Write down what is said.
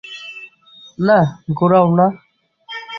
না, ঘোরাও, না!